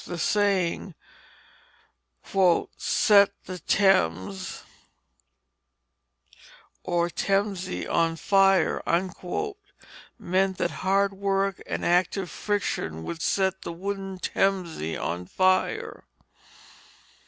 The saying "set the Thames (or temse) on fire," meant that hard work and active friction would set the wooden temse on fire.